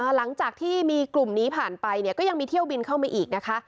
หลังจากที่มีกลุ่มนี้ผ่านไปเนี่ยก็ยังมีเที่ยวบินเข้ามาอีกนะคะ